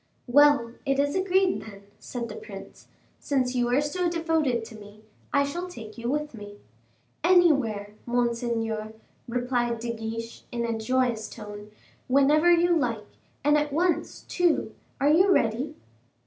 "Well, it is agreed, then," said the prince; "since you are so devoted to me, I shall take you with me." "Anywhere, monseigneur," replied De Guiche in a joyous tone, "whenever you like, and at once, too. Are you ready?"